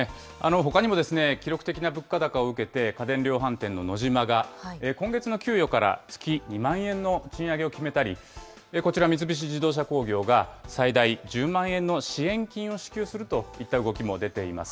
ほかにも記録的な物価高を受けて、家電量販店のノジマが、今月の給与から月２万円の賃上げを決めたり、こちら、三菱自動車工業が最大１０万円の支援金を支給するといった動きも出ています。